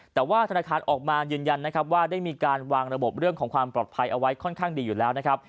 แต่ว่าธนาคารออกมายืนยันนะครับว่าได้มีการวางระบบเรื่องของความปลอดภัยเอาไว้ค่อนข้างดีอยู่แล้วนะครับ